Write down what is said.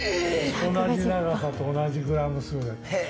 同じ長さと同じグラム数で。